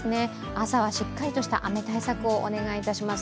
朝はしっかりとした雨対策をお願いします。